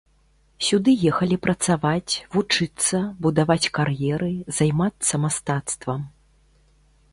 Сюды ехалі працаваць, вучыцца, будаваць кар'еры, займацца мастацтвам.